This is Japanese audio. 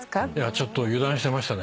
ちょっと油断してましたね。